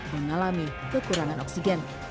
mengalami kekurangan oksigen